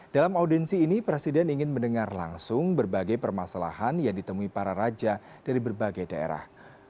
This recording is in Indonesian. dalam audiensi ini presiden ingin mendengar langsung berbagai permasalahan yang ditemui para raja dari berbagai daerah